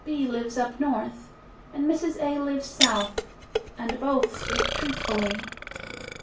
B lives up north and Mrs. A lives south, and both speak truthfully.